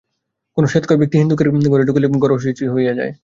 কোন শ্বেতকায় ব্যক্তি হিন্দুদের ঘরে ঢুকিলে ঘর অশুচি হইয়া যায়।